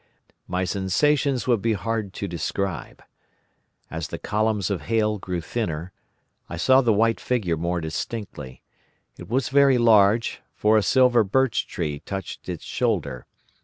"My sensations would be hard to describe. As the columns of hail grew thinner, I saw the white figure more distinctly. It was very large, for a silver birch tree touched its shoulder.